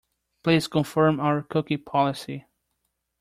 Please confirm our cookie policy.